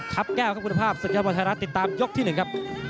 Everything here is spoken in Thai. ครับแก้วครับคุณภาพศึกยอดมวยไทยรัฐติดตามยกที่๑ครับ